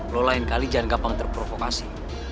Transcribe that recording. lo lain kali jangan terprovokasi